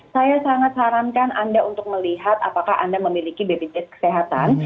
saya sangat sarankan anda untuk melihat apakah anda memiliki bpjs kesehatan